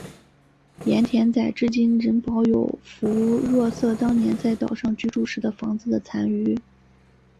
盐田仔至今仍保有福若瑟当年在岛上居住时的房子的残余。